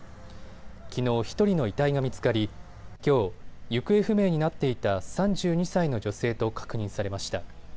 きのう、１人の遺体が見つかりきょう、行方不明になっていた３２歳の女性と確認されました。